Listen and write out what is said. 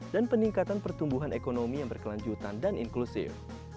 dan peningkatan pertumbuhan ekonomi yang berkelanjutan dan inklusif